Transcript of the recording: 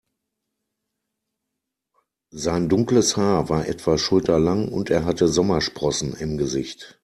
Sein dunkles Haar war etwa schulterlang und er hatte Sommersprossen im Gesicht.